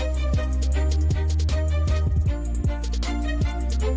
มาในคอนเซ็ปท์ไทยรักค่ะ